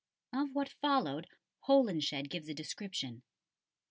Of what followed Holinshed gives a description.